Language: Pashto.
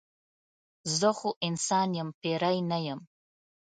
زه خو انسان یم پیری نه یم.